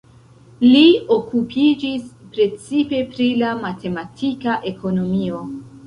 Li okupiĝis precipe pri la matematika ekonomio.